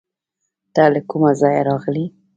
ته له کوم ځایه راغلې؟